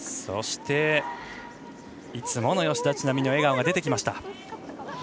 そして、いつもの吉田知那美の笑顔が出てきました。